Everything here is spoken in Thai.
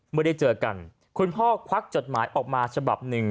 เมื่อได้เจอกันคุณพ่อควักจดหมายออกมาฉบับหนึ่ง